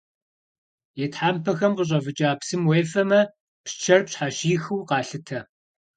И тхьэмпэхэм къыщӏэвыкӏа псым уефэмэ, псчэр пщхьэщихыу къалъытэ.